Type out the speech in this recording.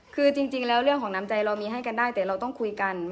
คือจริงแล้วเรื่องของน้ำใจเรามีให้กันได้แต่เราต้องคุยกัน